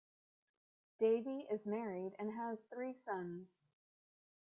Davie is married and has three sons.